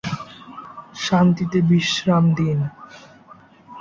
শান্তিতে বিশ্রাম দিন।